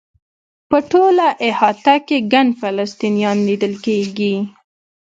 په ټوله احاطه کې ګڼ فلسطینیان لیدل کېږي.